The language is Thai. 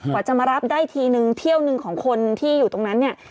กว่าจะมารับได้ทีนึงเที่ยวหนึ่งของคนที่อยู่ตรงนั้นเนี่ย